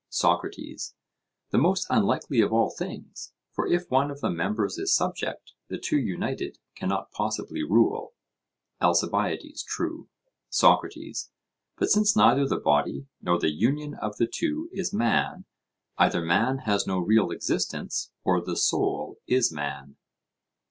SOCRATES: The most unlikely of all things; for if one of the members is subject, the two united cannot possibly rule. ALCIBIADES: True. SOCRATES: But since neither the body, nor the union of the two, is man, either man has no real existence, or the soul is man?